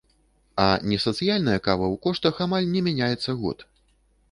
А несацыяльная кава ў коштах амаль не мяняецца год.